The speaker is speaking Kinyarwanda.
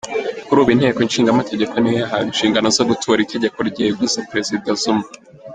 Kuri ubu inteko nshingamategeko niyo yahawe inshingano zo gutora itegeko ryeguza Perezida Zuma.